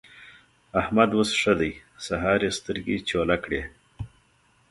احمد اوس ښه دی؛ سهار يې سترګې چوله کړې.